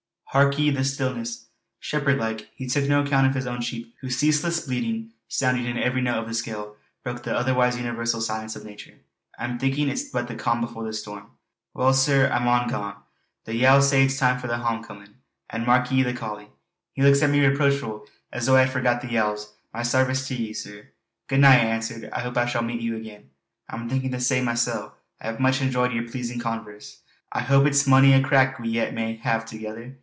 Hark ye the stillness!" Shepherd like he took no account of his own sheep whose ceaseless bleating, sounding in every note of the scale, broke the otherwise universal silence of nature. "I'm thinkin' it's but the calm before the storm. Weel sir, I maun gang. The yowes say it is time for the hame comin'. An' mark ye, the collie! He looks at me reproachful, as though I had forgot the yowes! My sairvice to ye, sir!" "Good night" I answered, "I hope I shall meet you again." "I'm thinkin' the same masel'. I hae much enjoyed yer pleasin' converse. I hope it's mony a crack we yet may hae thegither!"